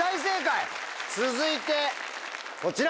続いてこちら。